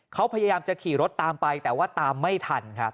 เขาพยายามจะขี่รถตามไปแต่ว่าตามไม่ทันครับ